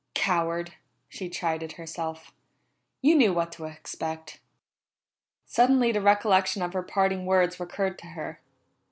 "Coward!" she chided herself. "You knew what to expect." Suddenly the recollection of her parting words recurred to her.